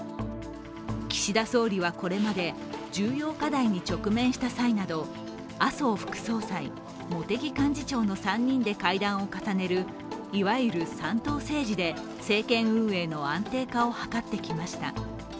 岸田総理はこれまで重要課題に直面した際など麻生副総裁、茂木幹事長の３人で会談を重ねるいわゆる三頭政治で政権運営の安定化を図ってきました。